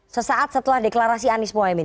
sesaat setelah deklarasi anies mohaimin